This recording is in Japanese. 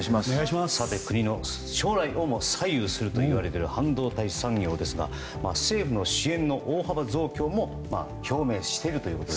国の将来をも左右するといわれている半導体産業ですが政府の支援の大幅増強も表明していると。